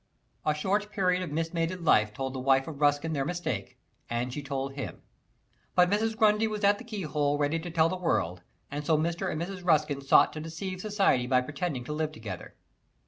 A short period of mismated life told the wife of Ruskin their mistake, and she told him. But Mrs. Grundy was at the keyhole, ready to tell the world, and so Mr. and Mrs. Ruskin sought to deceive society by pretending to live together.